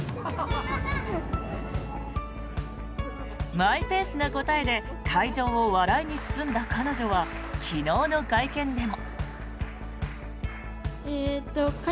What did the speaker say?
マイペースな答えで会場を笑いに包んだ彼女は昨日の会見でも。